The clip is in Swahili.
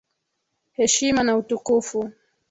Heshima na utukufu